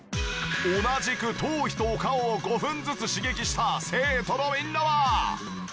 同じく頭皮とお顔を５分ずつ刺激した生徒のみんなは。